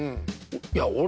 いや俺？